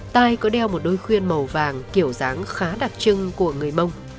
tai có đeo một đôi khuyên màu vàng kiểu dáng khá đặc trưng của người mông